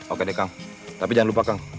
oke deh kang tapi jangan lupa kang